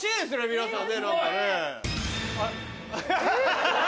皆さんね何かね。